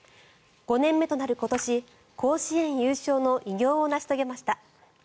５年目となる今年甲子園優勝の偉業を成し遂げました。